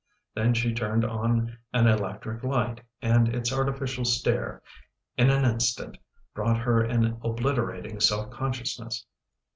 Then she turned on an electric light and its artificial stare, in an instant, brought her an obliterating self consciousness.